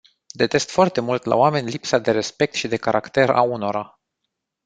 Detest foarte mult la oameni lipsa de respect și de caracter a unora.